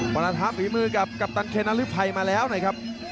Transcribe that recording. มณฑาผีมือกับกัปตันเคนอาริไฟมาแล้วนะครับ